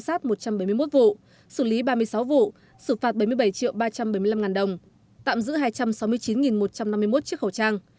giám sát một trăm bảy mươi một vụ xử lý ba mươi sáu vụ xử phạt bảy mươi bảy triệu ba trăm bảy mươi năm đồng tạm giữ hai trăm sáu mươi chín một trăm năm mươi một chiếc khẩu trang